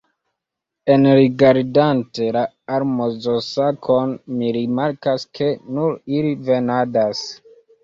Enrigardante la almozosakon mi rimarkas, ke nur ili venadas.